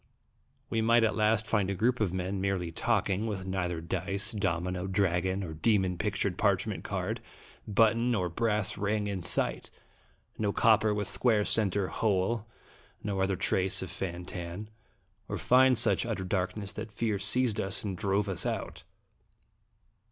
We might at last find a group of men merely talking, with neither dice, domino, dragon, or demon pictured parchment card, button, nor brass ring, in sight no copper with square centre hole, nor other trace of Fan Tan ; or find such utter darkness that fear seized us and drove us out.